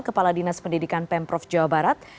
kepala dinas pendidikan pemprov jawa barat